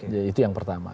jadi itu yang pertama